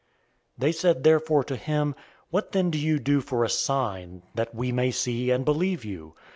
006:030 They said therefore to him, "What then do you do for a sign, that we may see, and believe you?